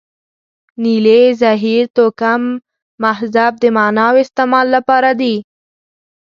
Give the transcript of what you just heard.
نیلې، زهیر، توکم، مهذب د معنا او استعمال لپاره دي.